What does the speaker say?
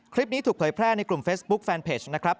คลิปนี้ถูกเผยแพร่ในกลุ่มเฟซบุ๊คแฟนเพจนะครับ